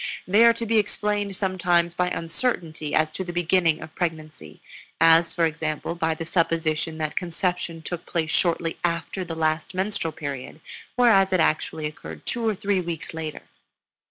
They are to be explained sometimes by uncertainty as to the beginning of pregnancy, as for example by the supposition that conception took place shortly after the last menstrual period, whereas it actually occurred two or three weeks later.